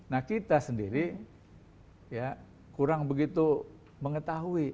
nah kita sendiri kurang begitu mengetahui